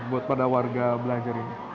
buat pada warga belajar ini